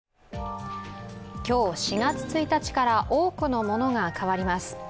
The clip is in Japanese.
今日、４月１日から多くのものが変わります。